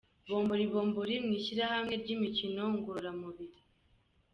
Bombori Bombiri mu ishyirahamwe ry’imikino ngororamubiri.